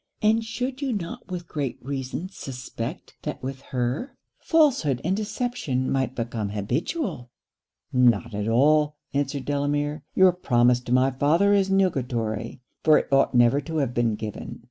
and should you not with great reason suspect that with her, falsehood and deception might become habitual?' 'Not at all,' answered Delamere. 'Your promise to my father is nugatory; for it ought never to have been given.